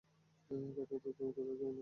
কথা দাও, তুমি কোথাও যাবে না।